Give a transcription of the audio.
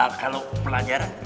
ah kalau pelajaran